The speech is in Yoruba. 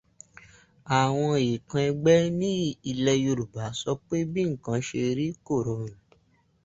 Àwọn èèkàn ẹgbẹ́ ní ilẹ̀ Yorùbá sọ pé bí nǹkan ṣe rí kò rọrùn